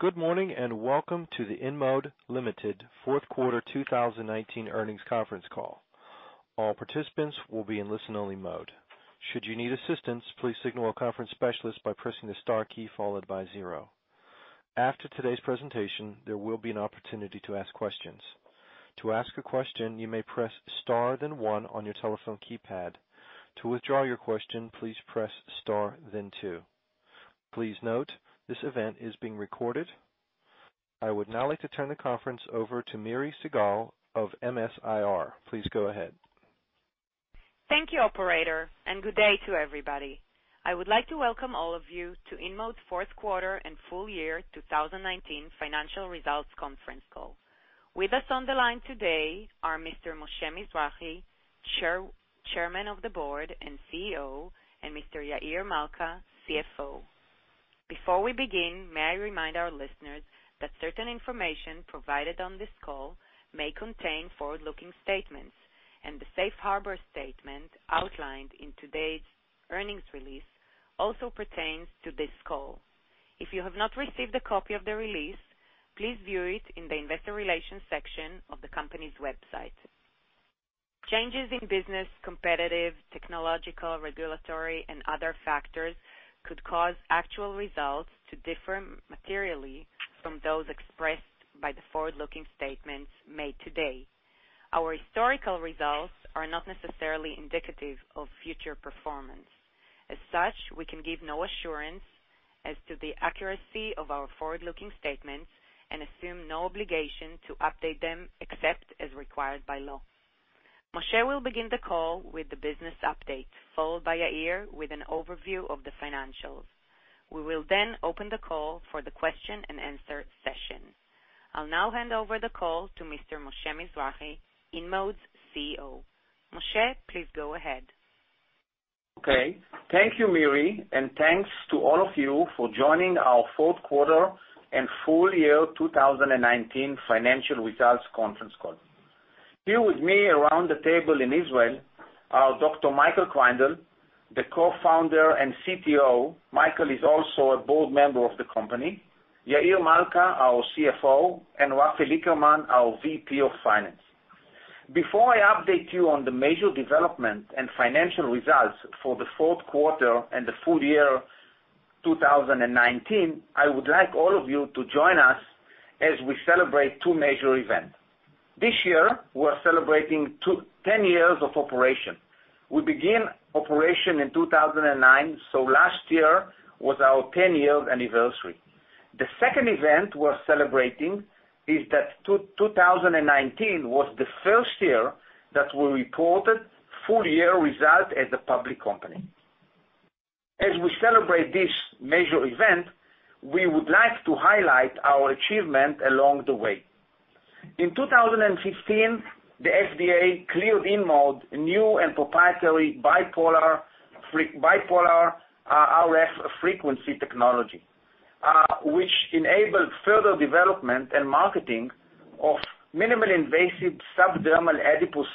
Good morning, and welcome to the InMode Ltd. Fourth Quarter 2019 Earnings Conference Call. All participants will be in listen-only mode. Should you need assistance, please signal a conference specialist by pressing the star key followed by zero. After today's presentation, there will be an opportunity to ask questions. To ask a question, you may press star then one on your telephone keypad. To withdraw your question, please press star then two. Please note, this event is being recorded. I would now like to turn the conference over to Miri Segal of MS-IR. Please go ahead. Thank you, operator, and good day to everybody. I would like to welcome all of you to InMode's Fourth Quarter and Full Year 2019 Financial Results Conference Call. With us on the line today are Mr. Moshe Mizrahy, Chairman of the Board and CEO, and Mr. Yair Malca, CFO. Before we begin, may I remind our listeners that certain information provided on this call may contain forward-looking statements, and the safe harbor statement outlined in today's earnings release also pertains to this call. If you have not received a copy of the release, please view it in the investor relations section of the company's website. Changes in business, competitive, technological, regulatory, and other factors could cause actual results to differ materially from those expressed by the forward-looking statements made today. Our historical results are not necessarily indicative of future performance. As such, we can give no assurance as to the accuracy of our forward-looking statements and assume no obligation to update them except as required by law. Moshe will begin the call with the business update, followed by Yair with an overview of the financials. We will then open the call for the question and answer session. I'll now hand over the call to Mr. Moshe Mizrahy, InMode's CEO. Moshe, please go ahead. Okay. Thank you, Miri, and thanks to all of you for joining our fourth quarter and full year 2019 financial results conference call. Here with me around the table in Israel are Dr. Michael Kreindel, the Co-Founder and CTO. Michael is also a board member of the company. Yair Malca, our CFO, and Rafael Lickerman, our VP of Finance. Before I update you on the major developments and financial results for the fourth quarter and the full year 2019, I would like all of you to join us as we celebrate two major events. This year, we're celebrating 10 years of operation. We began operation in 2009. Last year was our 10-year anniversary. The second event we're celebrating is that 2019 was the first year that we reported full-year results as a public company. As we celebrate this major event, we would like to highlight our achievement along the way. In 2015, the FDA cleared InMode new and proprietary Bipolar RF frequency technology, which enabled further development and marketing of minimally invasive subdermal adipose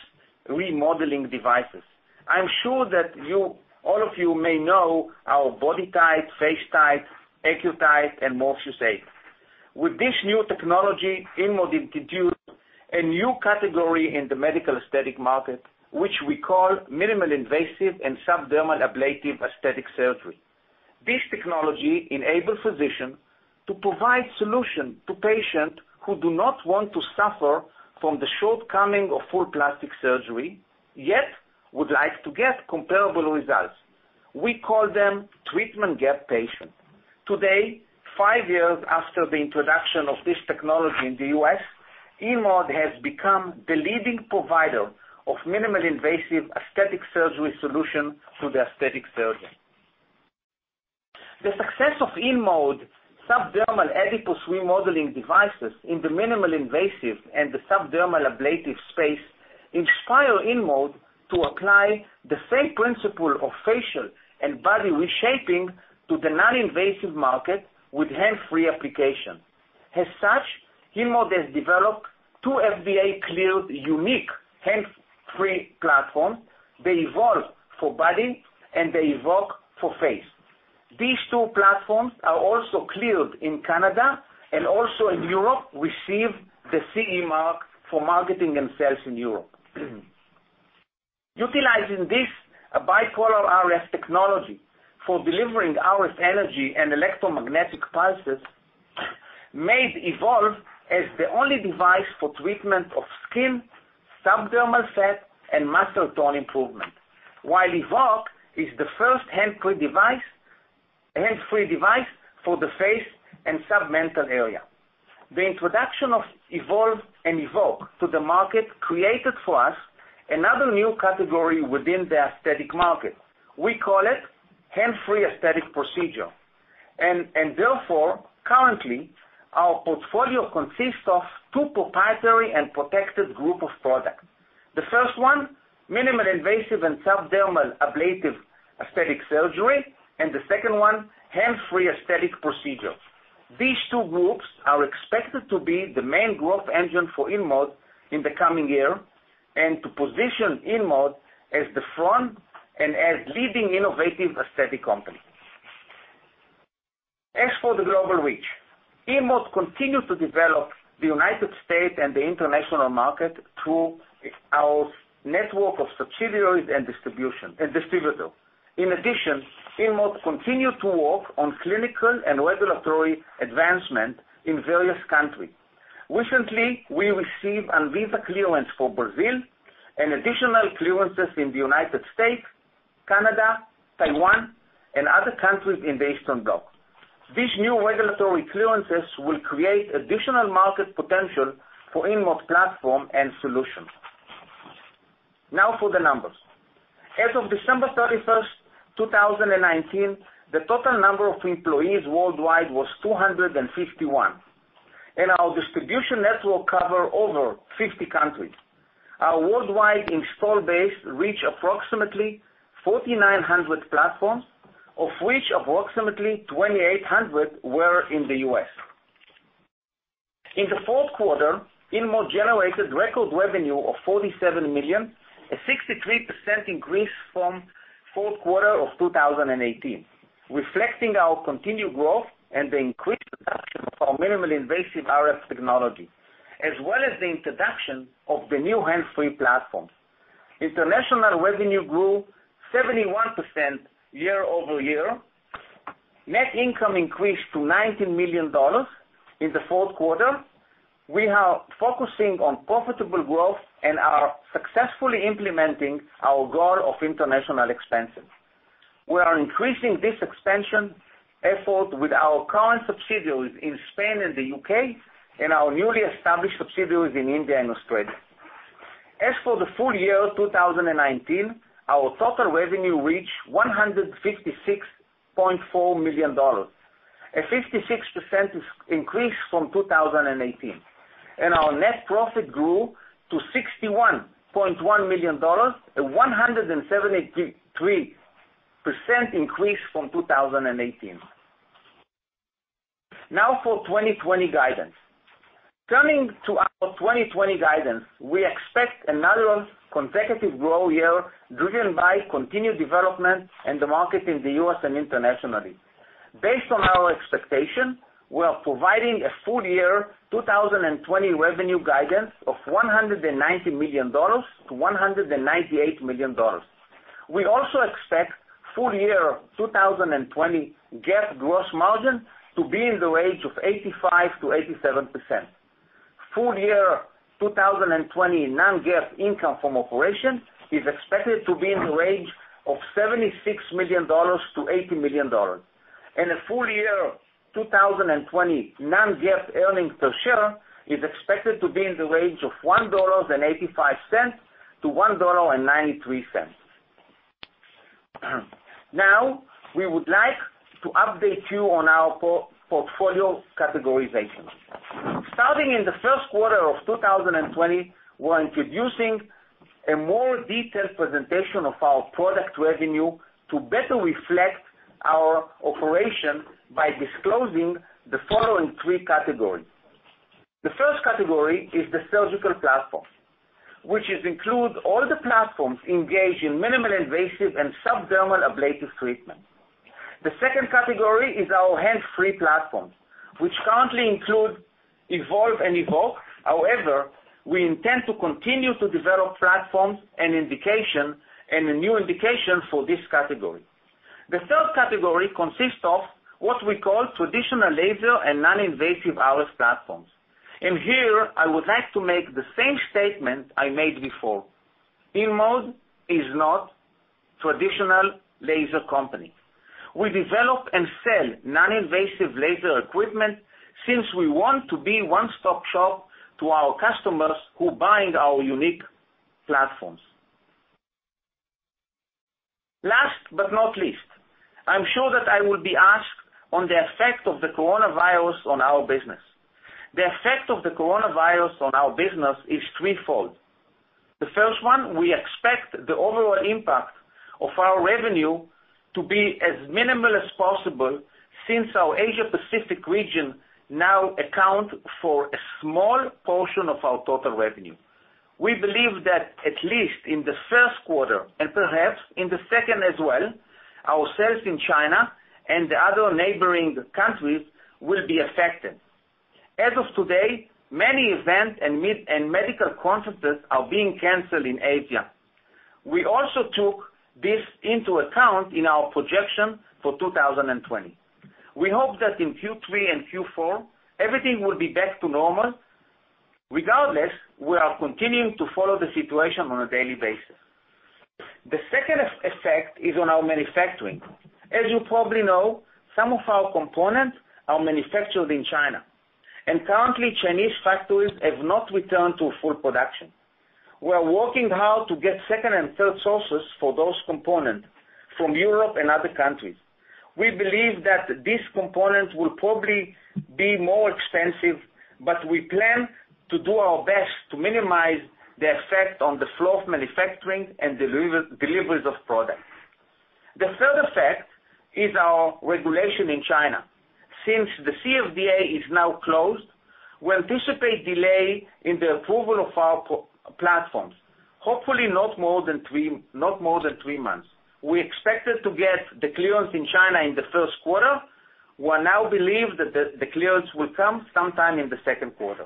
remodeling devices. I'm sure that all of you may know our BodyTite, FaceTite, AccuTite, and Morpheus8. With this new technology, InMode introduced a new category in the medical aesthetic market, which we call minimally invasive and subdermal ablative aesthetic surgery. This technology enables physicians to provide solutions to patients who do not want to suffer from the shortcomings of full plastic surgery, yet would like to get comparable results. We call them treatment gap patients. Today, five years after the introduction of this technology in the U.S., InMode has become the leading provider of minimally invasive aesthetic surgery solutions to the aesthetic surgeon. The success of InMode subdermal adipose remodeling devices in the minimal invasive and the subdermal ablative space inspire InMode to apply the same principle of facial and body reshaping to the non-invasive market with hands-free application. As such, InMode has developed two FDA-cleared unique hands-free platform, the Evolve for body and the Evoke for face. These two platforms are also cleared in Canada and also in Europe, received the CE mark for marketing themselves in Europe. Utilizing this bipolar RF technology for delivering RF energy and electromagnetic pulses made Evolve as the only device for treatment of skin, subdermal fat, and muscle tone improvement. While Evoke is the first hands-free device for the face and submental area. The introduction of Evolve and Evoke to the market created for us another new category within the aesthetic market. We call it hands-free aesthetic procedure. Therefore, currently, our portfolio consists of two proprietary and protected group of products. The first one, minimally invasive and subdermal ablative aesthetic surgery, and the second one, hands-free aesthetic procedures. These two groups are expected to be the main growth engine for InMode in the coming year. To position InMode as the front and as leading innovative aesthetic company. As for the global reach, InMode continues to develop the United States and the international market through our network of subsidiaries and distributors. In addition, InMode continue to work on clinical and regulatory advancement in various countries. Recently, we received ANVISA clearance for Brazil and additional clearances in the United States, Canada, Taiwan, and other countries in the Eastern Bloc. These new regulatory clearances will create additional market potential for InMode platform and solutions. Now for the numbers. As of December 31st, 2019, the total number of employees worldwide was 251, and our distribution network cover over 50 countries. Our worldwide install base reach approximately 4,900 platforms, of which approximately 2,800 were in the U.S. In the fourth quarter, InMode generated record revenue of $47 million, a 63% increase from fourth quarter of 2018, reflecting our continued growth and the increased adoption of our minimally invasive RF technology, as well as the introduction of the new hands-free platform. International revenue grew 71% year-over-year. Net income increased to $19 million in the fourth quarter. We are focusing on profitable growth and are successfully implementing our goal of international expansion. We are increasing this expansion effort with our current subsidiaries in Spain and the U.K. and our newly established subsidiaries in India and Australia. As for the full year 2019, our total revenue reached $156.4 million, a 56% increase from 2018. Our net profit grew to $61.1 million, a 173% increase from 2018. Now for 2020 guidance. Turning to our 2020 guidance, we expect another consecutive growth year driven by continued development in the market in the U.S. and internationally. Based on our expectation, we are providing a full year 2020 revenue guidance of $190 million-$198 million. We also expect full year 2020 GAAP gross margin to be in the range of 85%-87%. Full year 2020 non-GAAP income from operation is expected to be in the range of $76 million-$80 million. A full year 2020 non-GAAP earnings per share is expected to be in the range of $1.85-$1.93. Now, we would like to update you on our portfolio categorization. Starting in the first quarter of 2020, we're introducing a more detailed presentation of our product revenue to better reflect our operation by disclosing the following three categories. The first category is the surgical platforms, which includes all the platforms engaged in minimally invasive and subdermal ablative treatment. The second category is our hands-free platforms, which currently include Evolve and Evoke. We intend to continue to develop platforms and indication, and a new indication for this category. The third category consists of what we call traditional laser and non-invasive RF platforms. Here, I would like to make the same statement I made before. InMode is not traditional laser company. We develop and sell non-invasive laser equipment since we want to be one-stop shop to our customers who buying our unique platforms. Last but not least, I'm sure that I will be asked on the effect of the coronavirus on our business. The effect of the coronavirus on our business is threefold. The first one, we expect the overall impact of our revenue to be as minimal as possible since our Asia Pacific region now account for a small portion of our total revenue. We believe that at least in the first quarter, and perhaps in the second as well, our sales in China and the other neighboring countries will be affected. As of today, many events and medical conferences are being canceled in Asia. We also took this into account in our projection for 2020. We hope that in Q3 and Q4, everything will be back to normal. Regardless, we are continuing to follow the situation on a daily basis. The second effect is on our manufacturing. As you probably know, some of our components are manufactured in China. Currently Chinese factories have not returned to full production. We are working hard to get second and third sources for those components from Europe and other countries. We believe that these components will probably be more expensive. We plan to do our best to minimize the effect on the flow of manufacturing and deliveries of product. The third effect is our regulation in China. Since the CFDA is now closed, we anticipate delay in the approval of our platforms. Hopefully, not more than three months. We expected to get the clearance in China in the first quarter, we now believe that the clearance will come sometime in the second quarter.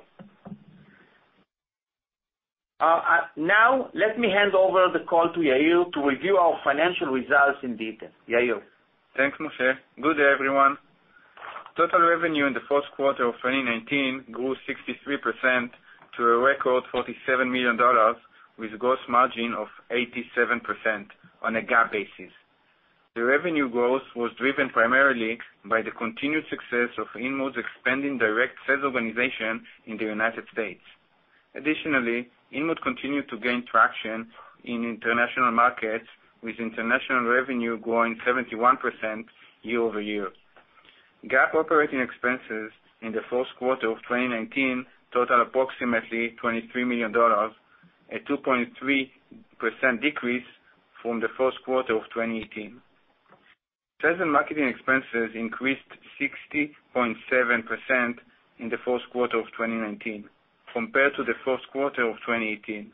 Now let me hand over the call to Yair to review our financial results in detail. Yair? Thanks, Moshe. Good day, everyone. Total revenue in the fourth quarter of 2019 grew 63% to a record $47 million, with gross margin of 87% on a GAAP basis. The revenue growth was driven primarily by the continued success of InMode's expanding direct sales organization in the United States. Additionally, InMode continued to gain traction in international markets, with international revenue growing 71% year-over-year. GAAP operating expenses in the fourth quarter of 2019 totaled approximately $23 million, a 2.3% decrease from the first quarter of 2018. Sales and marketing expenses increased 60.7% in the fourth quarter of 2019 compared to the first quarter of 2018,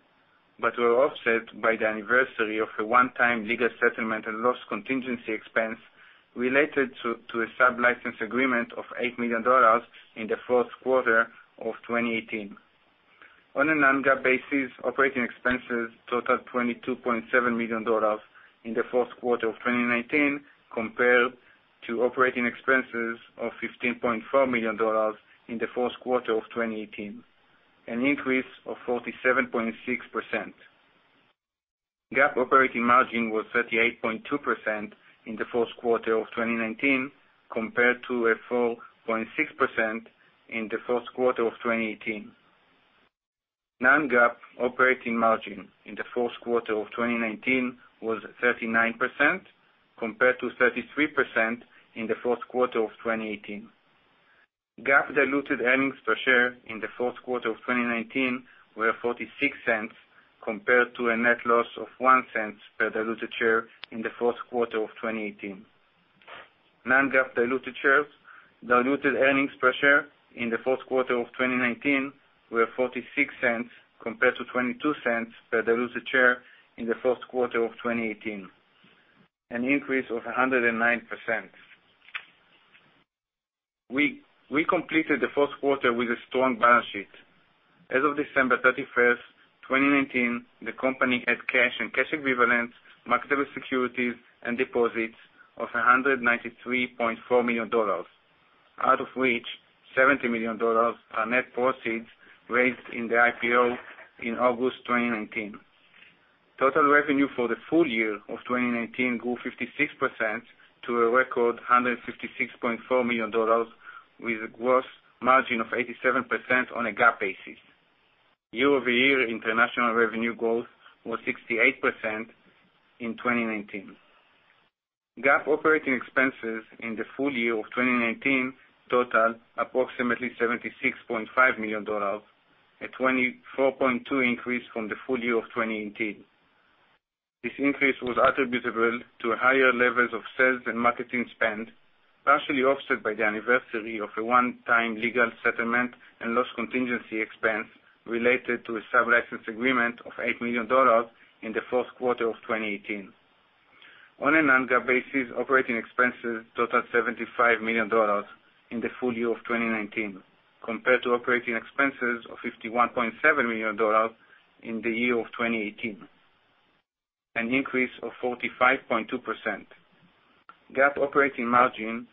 but were offset by the anniversary of a one-time legal settlement and loss contingency expense related to a sub-license agreement of $8 million in the fourth quarter of 2018. On a Non-GAAP basis, operating expenses totaled $22.7 million in the fourth quarter of 2019 compared to operating expenses of $15.4 million in the fourth quarter of 2018, an increase of 47.6%. GAAP operating margin was 38.2% in the fourth quarter of 2019 compared to a 4.6% in the first quarter of 2018. Non-GAAP operating margin in the fourth quarter of 2019 was 39% compared to 33% in the first quarter of 2018. GAAP diluted earnings per share in the fourth quarter of 2019 were $0.46 compared to a net loss of $0.01 per diluted share in the fourth quarter of 2018. Non-GAAP diluted earnings per share in the fourth quarter of 2019 were $0.46 compared to $0.22 per diluted share in the first quarter of 2018, an increase of 109%. We completed the first quarter with a strong balance sheet. As of December 31st, 2019, the company had cash and cash equivalents, marketable securities, and deposits of $193.4 million, out of which $70 million are net proceeds raised in the IPO in August 2019. Total revenue for the full year of 2019 grew 56% to a record $156.4 million, with a gross margin of 87% on a GAAP basis. Year-over-year international revenue growth was 68% in 2019. GAAP operating expenses in the full year of 2019 totaled approximately $76.5 million, a 24.2% increase from the full year of 2018. This increase was attributable to higher levels of sales and marketing spend, partially offset by the anniversary of a one-time legal settlement and loss contingency expense related to a sub-license agreement of $8 million in the fourth quarter of 2018. On a non-GAAP basis, operating expenses totaled $75 million in the full year of 2019 compared to operating expenses of $51.7 million in the year of 2018, an increase of 45.2%. GAAP operating margin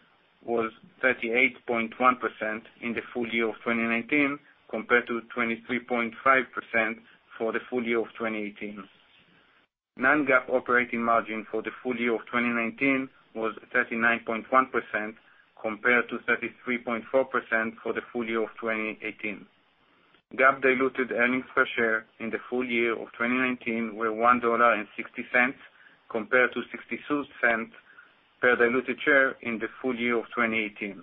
was 38.1% in the full year of 2019 compared to 23.5% for the full year of 2018. Non-GAAP operating margin for the full year of 2019 was 39.1% compared to 33.4% for the full year of 2018. GAAP diluted earnings per share in the full year of 2019 were $1.60 compared to $0.62 per diluted share in the full year of 2018.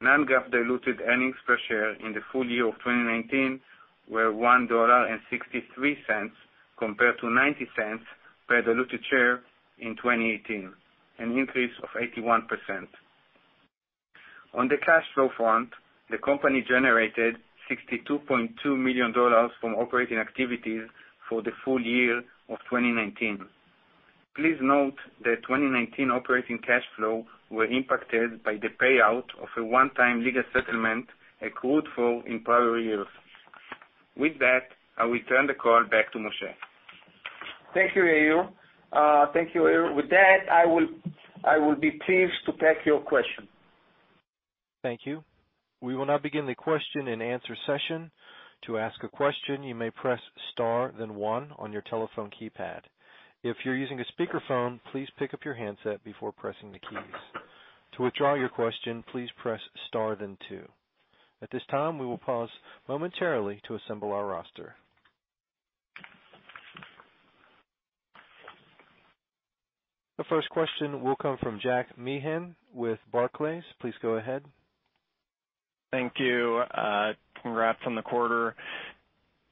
Non-GAAP diluted earnings per share in the full year of 2019 were $1.63 compared to $0.90 per diluted share in 2018, an increase of 81%. On the cash flow front, the company generated $62.2 million from operating activities for the full year of 2019. Please note that 2019 operating cash flow were impacted by the payout of a one-time legal settlement accrued for in prior years. With that, I will turn the call back to Moshe. Thank you, Yair. With that, I will be pleased to take your question. Thank you. We will now begin the question and answer session. To ask a question, you may press star then one on your telephone keypad. If you're using a speakerphone, please pick up your handset before pressing the keys. To withdraw your question, please press star then two. At this time, we will pause momentarily to assemble our roster. The first question will come from Jack Meehan with Barclays. Please go ahead Thank you. Congrats on the quarter.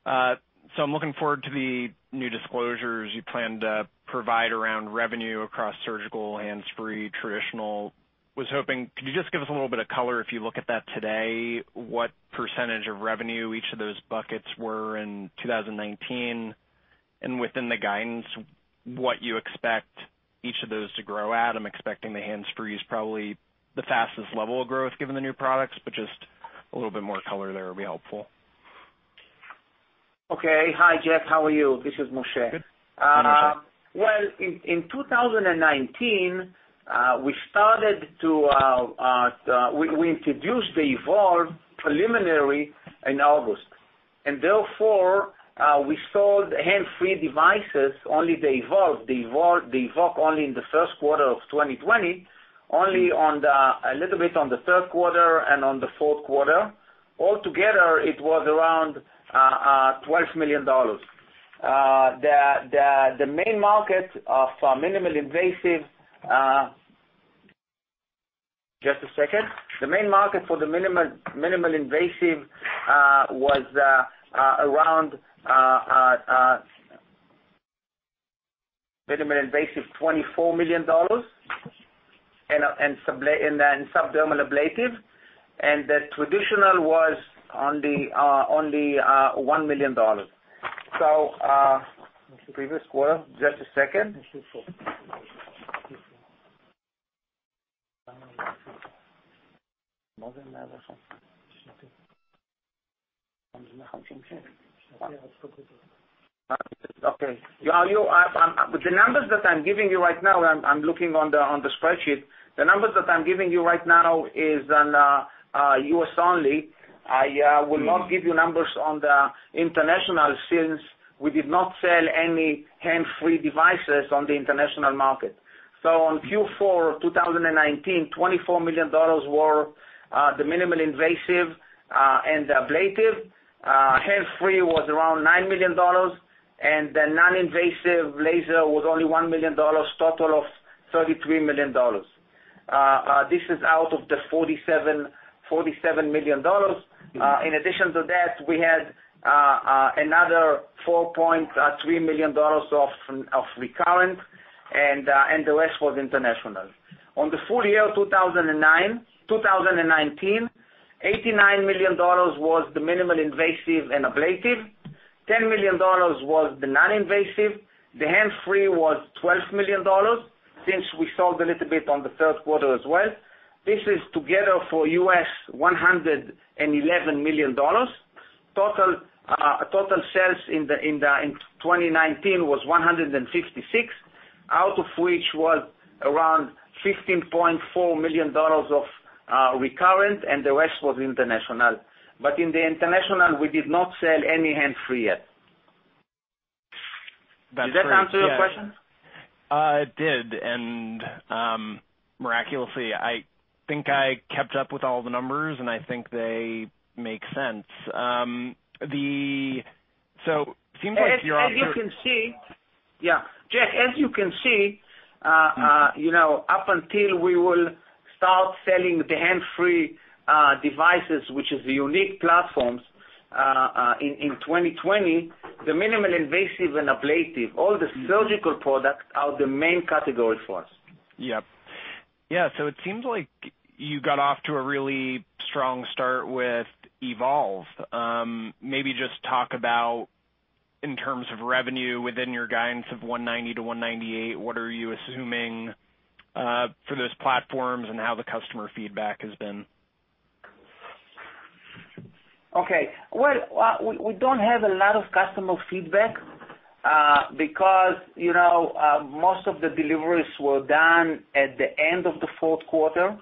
I'm looking forward to the new disclosures you plan to provide around revenue across surgical, hands-free, traditional. Was hoping, could you just give us a little bit of color, if you look at that today, what % of revenue each of those buckets were in 2019? Within the guidance, what you expect each of those to grow at? I'm expecting the hands-free is probably the fastest level of growth, given the new products, but just a little bit more color there would be helpful. Okay. Hi, Jack. How are you? This is Moshe. Good. How are you? Well, in 2019, we introduced the Evolve preliminary in August. Therefore, we sold hands-free devices, only the Evolve. The Evolve only in the first quarter of 2020, only a little bit on the third quarter, on the fourth quarter. All together, it was around $12 million. The main market for minimally invasive. Just a second. The main market for the minimally invasive was around $24 million, subdermal ablative, the traditional was only $1 million. Previous quarter, just a second. Okay. The numbers that I'm giving you right now, I'm looking on the spreadsheet. The numbers that I'm giving you right now is on U.S. only. I will not give you numbers on the international, since we did not sell any hands-free devices on the international market. On Q4 of 2019, $24 million were the minimally invasive and the ablative. Hands-free was around $9 million, and the non-invasive laser was only $1 million, total of $33 million. This is out of the $47 million. In addition to that, we had another $4.3 million of recurrent, and the rest was international. On the full year 2019, $89 million was the minimally invasive and ablative. $10 million was the non-invasive. The hands-free was $12 million, since we sold a little bit on the third quarter as well. This is together for U.S., $111 million. Total sales in 2019 was $156, out of which was around $15.4 million of recurrent, and the rest was international. In the international, we did not sell any hands-free yet. That's great. Does that answer your question? It did. Miraculously, I think I kept up with all the numbers, and I think they make sense. Seems like you're off to. As you can see. Yeah. Jack, as you can see, up until we will start selling the hands-free devices, which is the unique platforms, in 2020, the minimally-invasive and ablative, all the surgical products, are the main category for us. Yep. Yeah, it seems like you got off to a really strong start with Evolve. Maybe just talk about, in terms of revenue within your guidance of $190 million-$198 million, what are you assuming for those platforms and how the customer feedback has been? Okay. Well, we don't have a lot of customer feedback, because most of the deliveries were done at the end of the fourth quarter.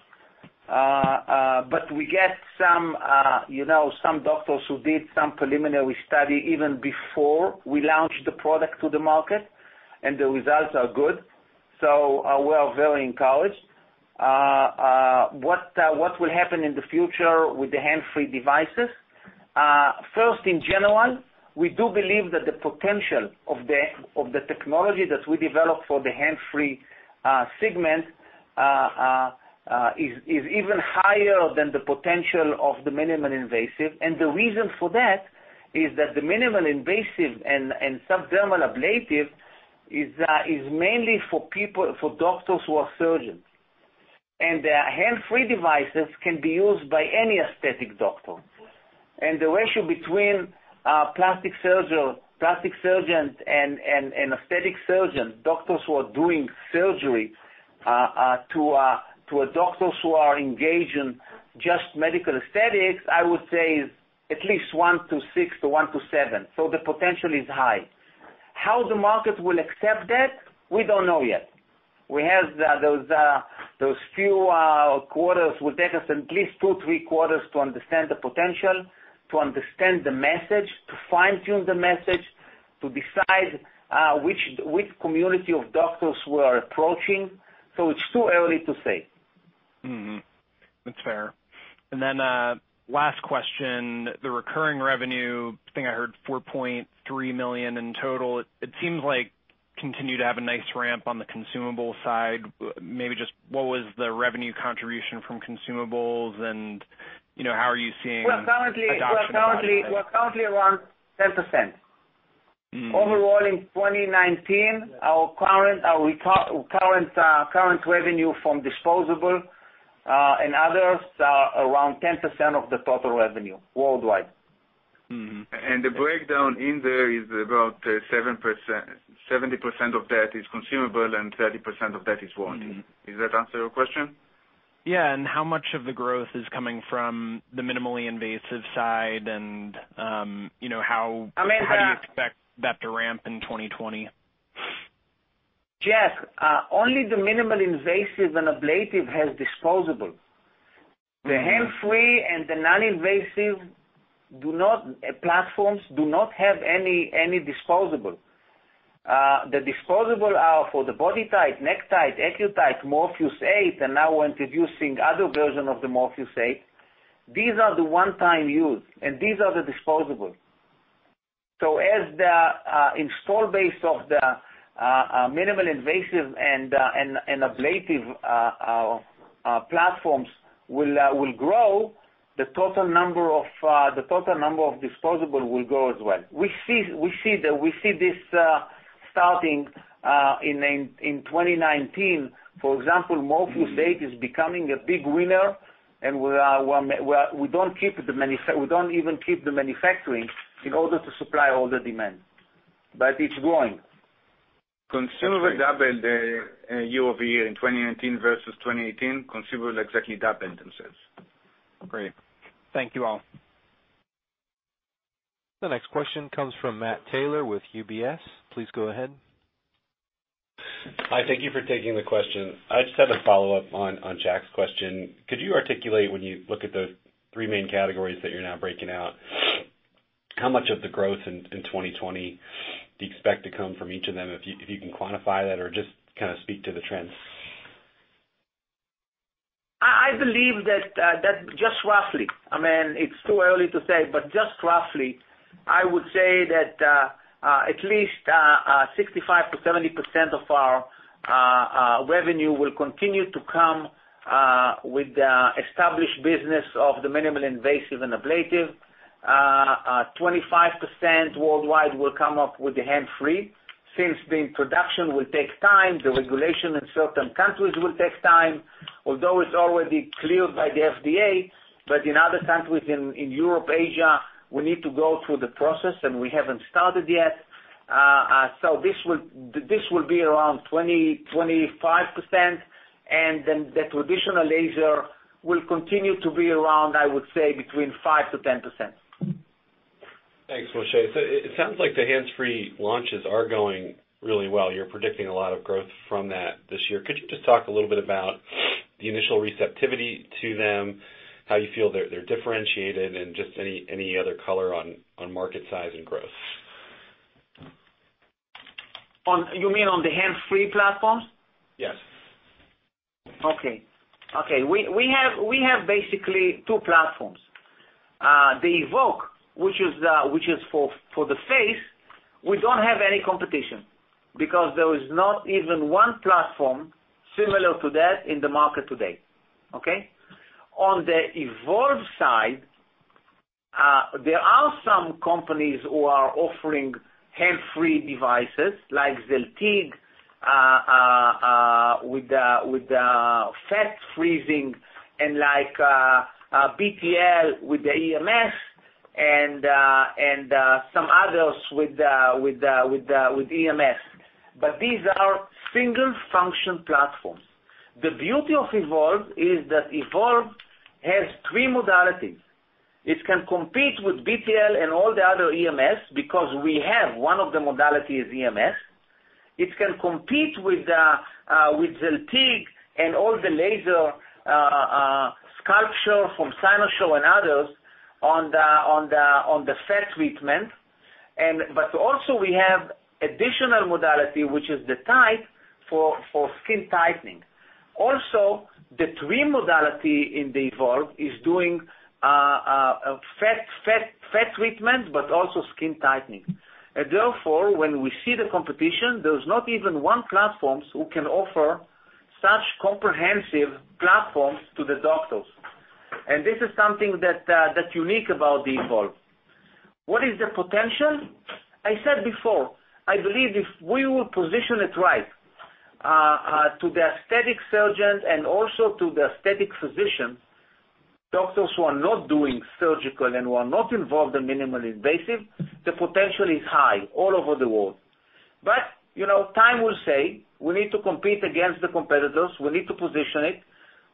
We get some doctors who did some preliminary study even before we launched the product to the market, and the results are good, so we are very encouraged. What will happen in the future with the hands-free devices? First, in general, we do believe that the potential of the technology that we developed for the hands-free segment is even higher than the potential of the minimally invasive, and the reason for that is that the minimally invasive and subdermal ablative is mainly for doctors who are surgeons, and the hands-free devices can be used by any aesthetic doctor. The ratio between plastic surgeons and aesthetic surgeon, doctors who are doing surgery, to doctors who are engaged in just medical aesthetics, I would say, is at least 1:6, to 1:7. The potential is high. How the market will accept that, we don't know yet. We have those few quarters. It will take us at least two, three quarters to understand the potential, to understand the message, to fine-tune the message, to decide which community of doctors we are approaching. It's too early to say. That's fair. Last question. The recurring revenue, I think I heard $4.3 million in total. You continue to have a nice ramp on the consumable side. Maybe just what was the revenue contribution from consumables and how are you seeing adoption of that? We're currently around 10%. Overall, in 2019, our current revenue from disposable, and others are around 10% of the total revenue worldwide. The breakdown in there is about 70% of that is consumable and 30% of that is warranty. Does that answer your question? Yeah. How much of the growth is coming from the minimally invasive side? I mean the. How do you expect that to ramp in 2020? Jack, only the minimally invasive and ablative has disposable. The hands-free and the non-invasive platforms do not have any disposable. The disposable are for the BodyTite, NeckTite, AccuTite, Morpheus8, and now we're introducing other version of the Morpheus8. These are the one-time use, and these are the disposable. As the install base of the minimally invasive and ablative platforms will grow, the total number of disposable will grow as well. We see this starting in 2019. For example, Morpheus8 is becoming a big winner, and we don't even keep the manufacturing in order to supply all the demand. It's growing. Consumable doubled year-over-year in 2019 versus 2018. Consumable exactly doubled themselves. Great. Thank you all. The next question comes from Matt Taylor with UBS. Please go ahead. Hi. Thank you for taking the question. I just had a follow-up on Jack's question. Could you articulate, when you look at the three main categories that you're now breaking out, how much of the growth in 2020 do you expect to come from each of them, if you can quantify that, or just kind of speak to the trends? I believe that, just roughly, it's too early to say, but just roughly, I would say that at least 65%-70% of our revenue will continue to come with the established business of the minimally-invasive and ablative. 25% worldwide will come up with the hands-free, since the introduction will take time, the regulation in certain countries will take time, although it's already cleared by the FDA, but in other countries in Europe, Asia, we need to go through the process, and we haven't started yet. This will be around 20%, 25%, and then the traditional laser will continue to be around, I would say, between 5%-10%. Thanks, Moshe. It sounds like the hands-free launches are going really well. You're predicting a lot of growth from that this year. Could you just talk a little bit about the initial receptivity to them, how you feel they're differentiated, and just any other color on market size and growth? You mean on the hands-free platforms? Yes. Okay. We have basically two platforms. The Evoke, which is for the face, we don't have any competition because there is not even one platform similar to that in the market today. Okay? On the Evolve side, there are some companies who are offering hands-free devices like Zeltiq with fat freezing and like BTL with the EMS and some others with EMS. These are single function platforms. The beauty of Evolve is that Evolve has three modalities. It can compete with BTL and all the other EMS because we have one of the modalities is EMS. It can compete with Zeltiq and all the SculpSure from Cynosure and others on the fat treatment. Also, we have additional modality, which is the tight for skin tightening. Also, the three modality in the Evolve is doing fat treatment, but also skin tightening. Therefore, when we see the competition, there's not even one platform who can offer such comprehensive platforms to the doctors. This is something that's unique about the Evolve. What is the potential? I said before, I believe if we will position it right, to the aesthetic surgeon and also to the aesthetic physician, doctors who are not doing surgical and who are not involved in minimally invasive, the potential is high all over the world. Time will say, we need to compete against the competitors. We need to position it.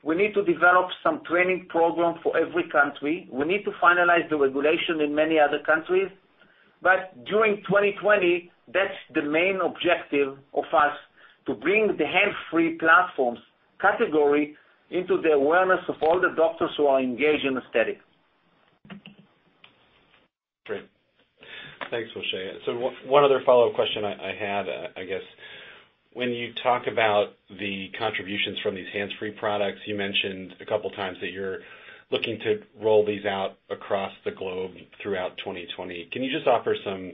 We need to develop some training program for every country. We need to finalize the regulation in many other countries. During 2020, that's the main objective of us, to bring the hands-free platforms category into the awareness of all the doctors who are engaged in aesthetic. Great. Thanks, Moshe. One other follow-up question I had. When you talk about the contributions from these hands-free products, you mentioned a couple of times that you're looking to roll these out across the globe throughout 2020. Can you just offer some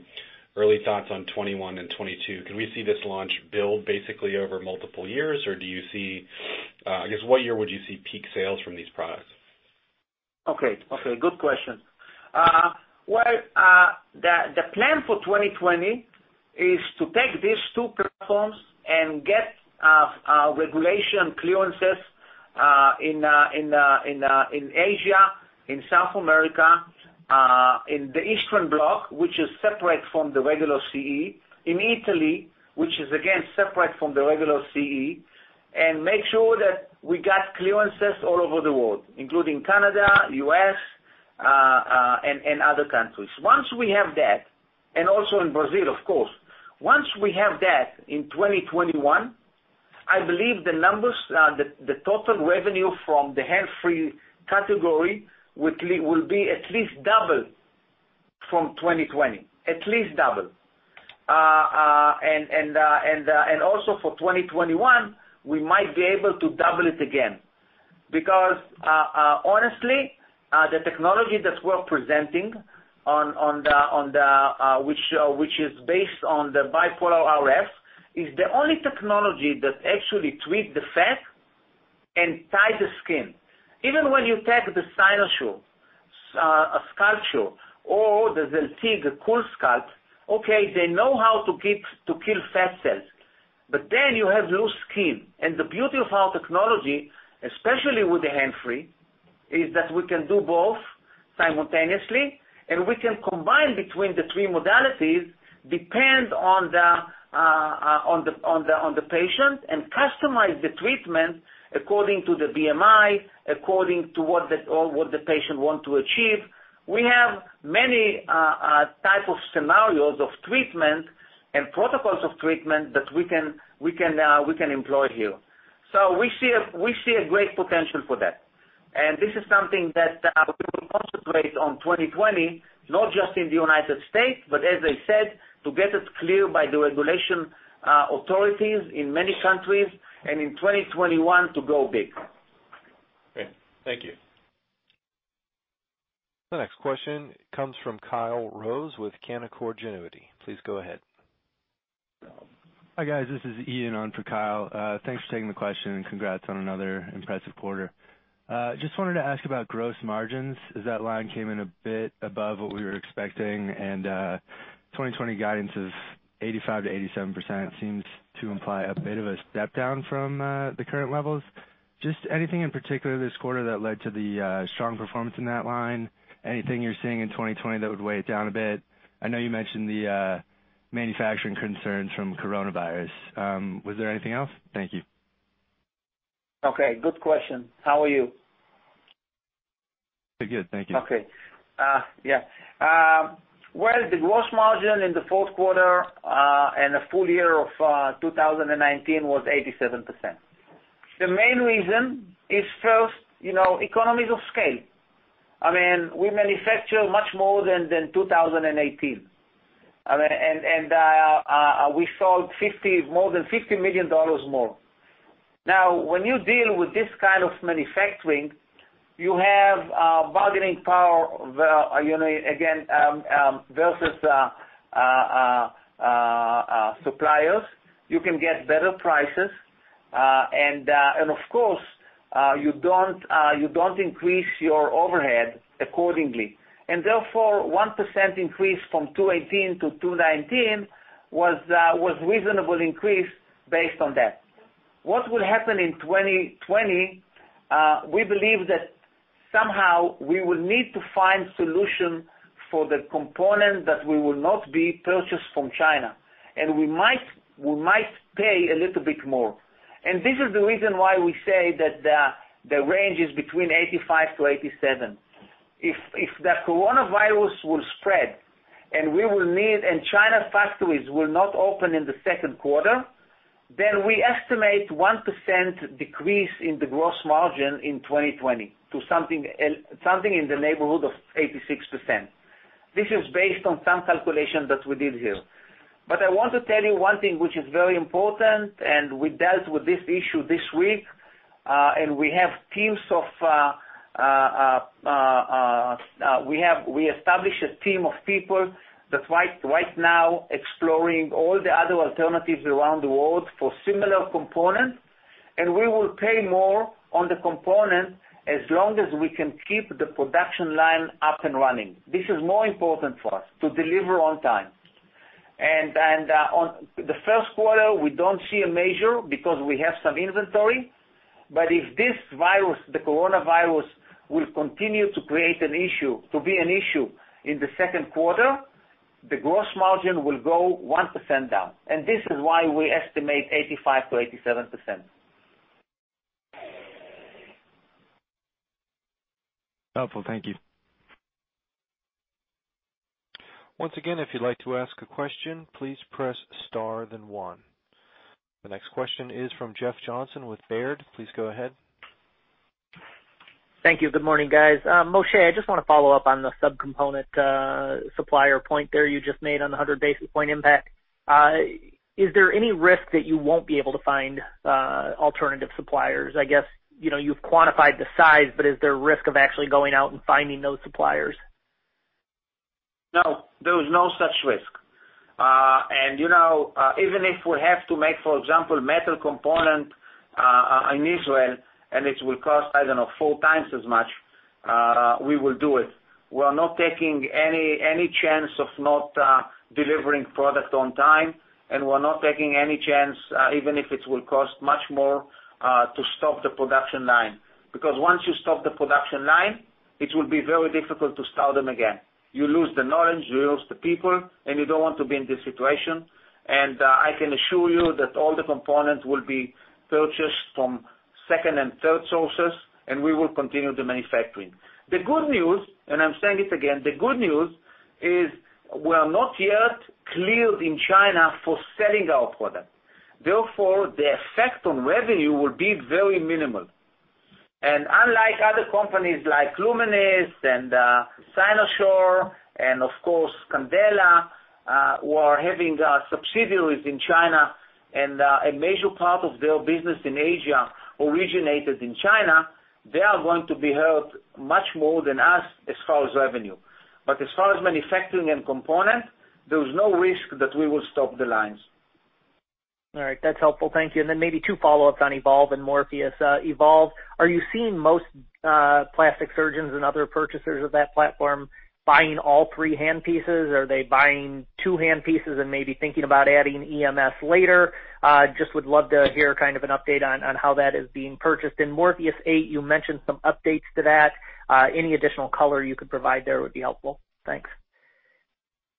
early thoughts on 2021 and 2022? Can we see this launch build basically over multiple years? I guess, what year would you see peak sales from these products? Okay. Good question. Well, the plan for 2020 is to take these two platforms and get regulation clearances in Asia, in South America, in the Eastern Bloc, which is separate from the regular CE, in Italy, which is again separate from the regular CE, and make sure that we got clearances all over the world, including Canada, U.S., and other countries, and also in Brazil, of course. Once we have that in 2021, I believe the total revenue from the hands-free category will be at least double from 2020. At least double. Also, for 2021, we might be able to double it again, because honestly, the technology that we're presenting, which is based on the Bipolar RF, is the only technology that actually treats the fat and tightens the skin. Even when you take the CryoShape, SculpSure, or the Zeltiq, the CoolSculpting, okay, they know how to kill fat cells, but then you have loose skin, and the beauty of our technology, especially with the hands-free, is that we can do both simultaneously, and we can combine between the three modalities, depends on the patient, and customize the treatment according to the BMI, according to what the patient want to achieve. We have many type of scenarios of treatment and protocols of treatment that we can employ here. We see a great potential for that. This is something that we will concentrate on 2020, not just in the United States, but as I said, to get it cleared by the regulation authorities in many countries, and in 2021 to go big. Great. Thank you. The next question comes from Kyle Rose with Canaccord Genuity. Please go ahead. Hi, guys. This is Ian on for Kyle. Thanks for taking the question, and congrats on another impressive quarter. Wanted to ask about gross margins as that line came in a bit above what we were expecting, and 2020 guidance is 85%-87%, seems to imply a bit of a step down from the current levels. Anything in particular this quarter that led to the strong performance in that line? Anything you're seeing in 2020 that would weigh it down a bit? I know you mentioned the manufacturing concerns from coronavirus. Was there anything else? Thank you. Okay. Good question. How are you? Pretty good. Thank you. Okay. Yeah. Well, the gross margin in the fourth quarter and the full year of 2019 was 87%. The main reason is first, economies of scale. We manufacture much more than 2018. We sold more than $50 million more. Now, when you deal with this kind of manufacturing, you have bargaining power, again, versus suppliers. You can get better prices. Of course, you don't increase your overhead accordingly. Therefore, 1% increase from 2018 to 2019 was reasonable increase based on that. What will happen in 2020, we believe that somehow we will need to find solution for the component that will not be purchased from China, and we might pay a little bit more. This is the reason why we say that the range is between 85%-87%. If the coronavirus will spread, and China's factories will not open in the second quarter, we estimate 1% decrease in the gross margin in 2020 to something in the neighborhood of 86%. This is based on some calculations that we did here. I want to tell you one thing which is very important, we dealt with this issue this week, we established a team of people that's right now exploring all the other alternatives around the world for similar components, we will pay more on the components as long as we can keep the production line up and running. This is more important for us, to deliver on time. On the first quarter, we don't see a measure because we have some inventory. If the coronavirus will continue to be an issue in the second quarter, the gross margin will go 1% down. This is why we estimate 85%-87%. Helpful. Thank you. Once again, if you'd like to ask a question, please press star then one. The next question is from Jeff Johnson with Baird. Please go ahead. Thank you. Good morning, guys. Moshe, I just want to follow up on the sub-component supplier point there you just made on the 100 basis point impact. Is there any risk that you won't be able to find alternative suppliers? I guess, you've quantified the size, but is there risk of actually going out and finding those suppliers? No, there is no such risk. Even if we have to make, for example, metal component, in Israel, and it will cost, I don't know, four times as much, we will do it. We're not taking any chance of not delivering product on time, and we're not taking any chance, even if it will cost much more, to stop the production line. Once you stop the production line, it will be very difficult to start them again. You lose the knowledge, you lose the people, and you don't want to be in this situation. I can assure you that all the components will be purchased from second and third sources, and we will continue the manufacturing. The good news, and I'm saying it again, the good news is we are not yet cleared in China for selling our product. Therefore, the effect on revenue will be very minimal. Unlike other companies like Lumenis and Cynosure and, of course, Candela, who are having subsidiaries in China and a major part of their business in Asia originated in China, they are going to be hurt much more than us as far as revenue. As far as manufacturing and component, there is no risk that we will stop the lines. All right. That's helpful. Thank you. Maybe two follow-ups on Evolve and Morpheus8. Evolve, are you seeing most plastic surgeons and other purchasers of that platform buying all three hand pieces? Are they buying two hand pieces and maybe thinking about adding EMS later? Just would love to hear kind of an update on how that is being purchased. In Morpheus8, you mentioned some updates to that. Any additional color you could provide there would be helpful. Thanks.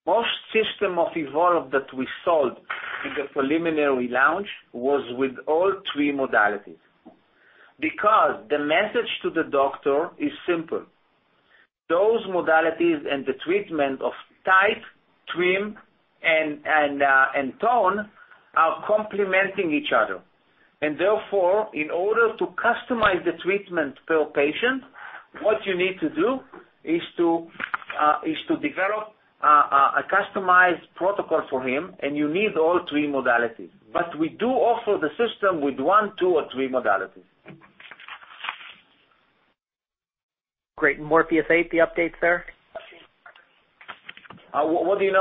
Most system of Evolve that we sold in the preliminary launch was with all three modalities. Because the message to the doctor is simple. Those modalities and the treatment of tight, trim and tone are complementing each other. Therefore, in order to customize the treatment per patient, what you need to do is to develop a customized protocol for him, and you need all three modalities. We do offer the system with one, two, or three modalities. Great. Morpheus8, the updates there? What do you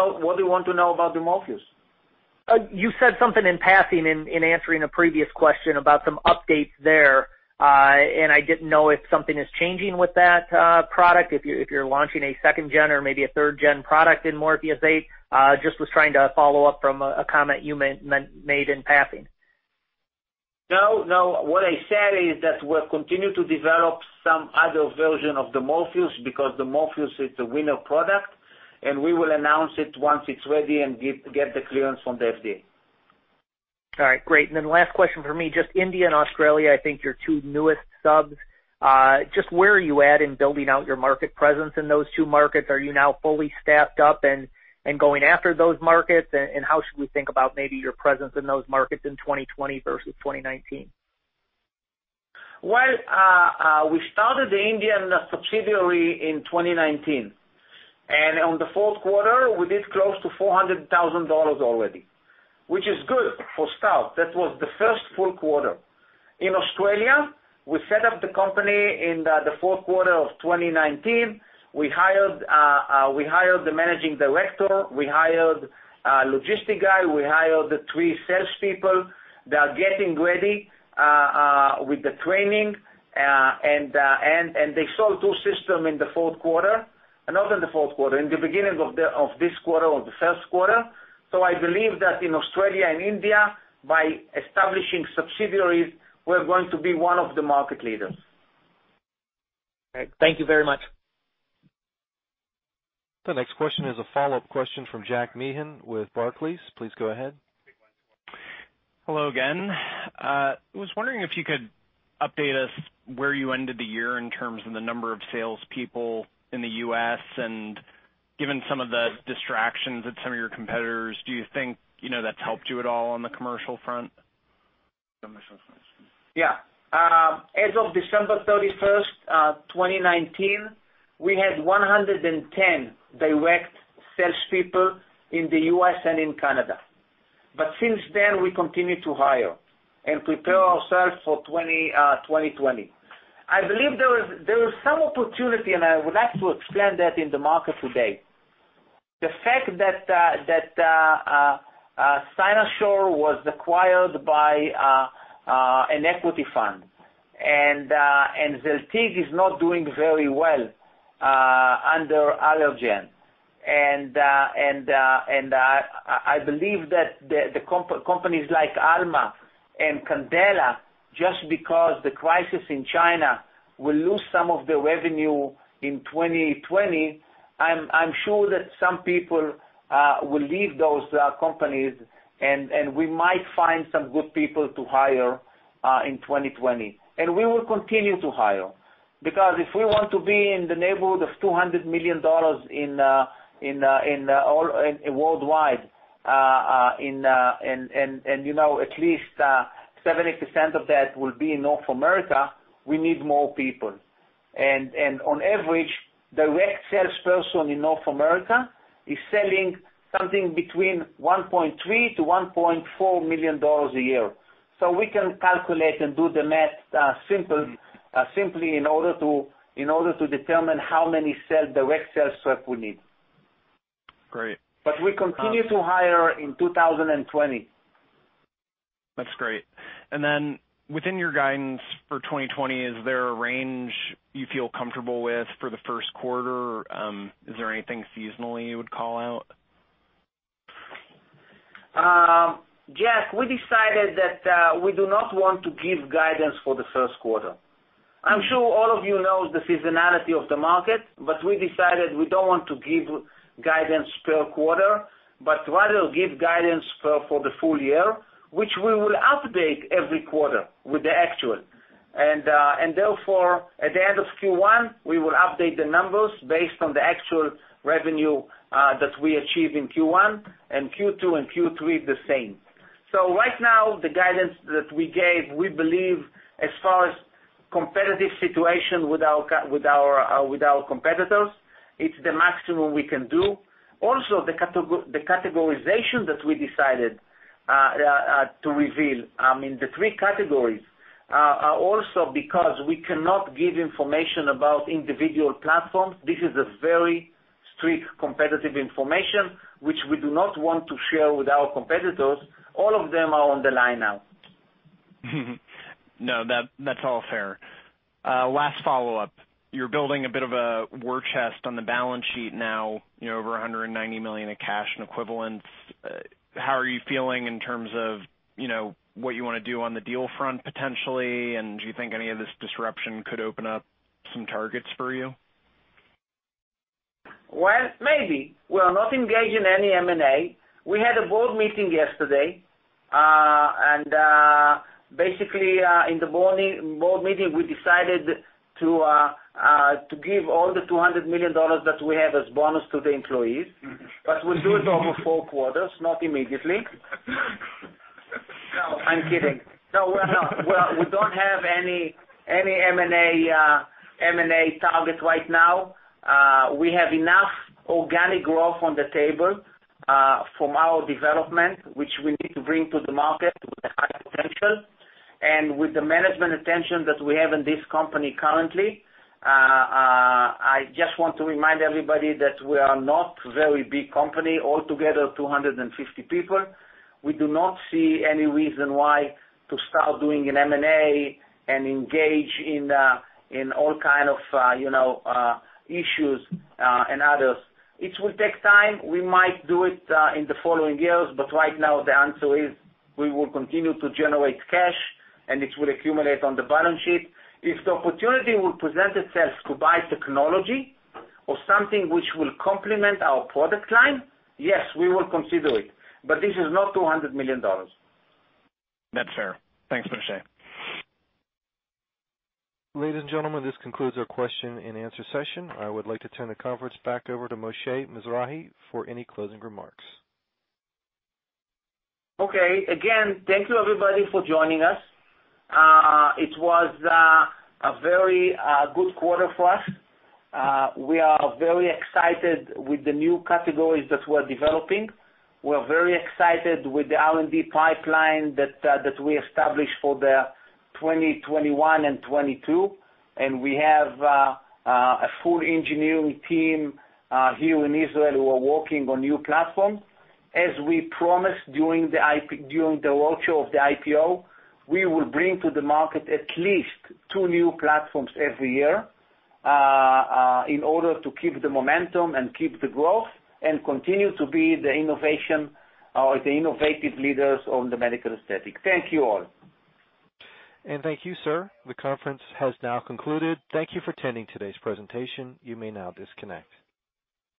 want to know about the Morpheus8? You said something in passing in answering a previous question about some updates there. I didn't know if something is changing with that product, if you're launching a second-gen or maybe a third-gen product in Morpheus8. Just was trying to follow up from a comment you made in passing. No. What I said is that we'll continue to develop some other version of the Morpheus8 because the Morpheus8 is a winner product, and we will announce it once it's ready and get the clearance from the FDA. All right, great. Last question from me, just India and Australia, I think your two newest subs. Just where are you at in building out your market presence in those two markets? Are you now fully staffed up and going after those markets? How should we think about maybe your presence in those markets in 2020 versus 2019? We started the Indian subsidiary in 2019. On the fourth quarter, we did close to $400,000 already, which is good for start. That was the first full quarter. In Australia, we set up the company in the fourth quarter of 2019. We hired the managing director, we hired a logistic guy, we hired the three salespeople. They are getting ready with the training. They sold two system in the fourth quarter. Not in the fourth quarter, in the beginning of this quarter, of the first quarter. I believe that in Australia and India, by establishing subsidiaries, we're going to be one of the market leaders. Great. Thank you very much. The next question is a follow-up question from Jack Meehan with Barclays. Please go ahead. Hello again. I was wondering if you could update us where you ended the year in terms of the number of salespeople in the U.S. Given some of the distractions at some of your competitors, do you think that's helped you at all on the commercial front? Yeah. As of December 31st, 2019, we had 110 direct salespeople in the U.S. and in Canada. Since then, we continue to hire and prepare ourselves for 2020. I believe there is some opportunity, and I would like to explain that in the market today. The fact that Cynosure was acquired by an equity fund and Zeltiq is not doing very well under Allergan. I believe that the companies like Alma and Candela, just because the crisis in China will lose some of the revenue in 2020, I'm sure that some people will leave those companies, and we might find some good people to hire in 2020. We will continue to hire, because if we want to be in the neighborhood of $200 million worldwide. At least 70% of that will be in North America, we need more people. On average, direct salesperson in North America is selling something between $1.3 million-$1.4 million a year. We can calculate and do the math simply in order to determine how many direct sales rep we need. Great. We continue to hire in 2020. That's great. Then within your guidance for 2020, is there a range you feel comfortable with for the first quarter? Is there anything seasonally you would call out? Jack, we decided that we do not want to give guidance for the first quarter. I'm sure all of you know the seasonality of the market. We decided we don't want to give guidance per quarter, but rather give guidance for the full year, which we will update every quarter with the actual. Therefore, at the end of Q1, we will update the numbers based on the actual revenue that we achieve in Q1, and Q2 and Q3 the same. Right now the guidance that we gave, we believe as far as competitive situation with our competitors, it's the maximum we can do. Also, the categorization that we decided to reveal, I mean, the three categories, are also because we cannot give information about individual platforms. This is a very strict competitive information, which we do not want to share with our competitors. All of them are on the line now. No, that's all fair. Last follow-up. You're building a bit of a war chest on the balance sheet now, over $190 million in cash and equivalents. How are you feeling in terms of what you want to do on the deal front, potentially? Do you think any of this disruption could open up some targets for you? Well, maybe. We are not engaged in any M&A. We had a board meeting yesterday, basically, in the board meeting, we decided to give all the $200 million that we have as bonus to the employees. We'll do it over four quarters, not immediately. No, I'm kidding. No, we're not. We don't have any M&A targets right now. We have enough organic growth on the table, from our development, which we need to bring to the market with a high potential. With the management attention that we have in this company currently, I just want to remind everybody that we are not very big company, altogether 250 people. We do not see any reason why to start doing an M&A and engage in all kind of issues and others. It will take time. We might do it in the following years, but right now the answer is we will continue to generate cash, and it will accumulate on the balance sheet. If the opportunity will present itself to buy technology or something which will complement our product line, yes, we will consider it, but this is not $200 million. That's fair. Thanks, Moshe. Ladies and gentlemen, this concludes our question and answer session. I would like to turn the conference back over to Moshe Mizrahy for any closing remarks. Okay. Again, thank you everybody for joining us. It was a very good quarter for us. We are very excited with the new categories that we're developing. We're very excited with the R&D pipeline that we established for the 2021 and 2022. We have a full engineering team here in Israel who are working on new platforms. As we promised during the roadshow of the IPO, we will bring to the market at least two new platforms every year, in order to keep the momentum and keep the growth and continue to be the innovative leaders on the medical aesthetic. Thank you all. Thank you, sir. The conference has now concluded. Thank you for attending today's presentation. You may now disconnect.